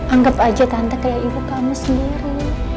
anggap aja tante kayak ibu kamu sendiri